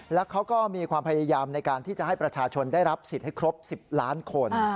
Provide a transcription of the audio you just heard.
แล้วเขาก็มีความพยายามในการที่จะให้ประชาชนได้รับสิทธิ์ให้ครบ๑๐ล้านคน